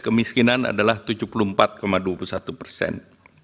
kemiskinan adalah tujuh puluh empat dua puluh satu persen